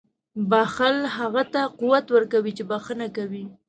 • بښل هغه ته قوت ورکوي چې بښنه کوي.